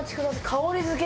香り付け？